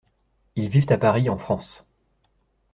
Ils vivent à Paris, en France.